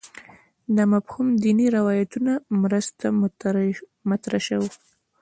دا مفهوم دیني روایتونو مرسته مطرح شو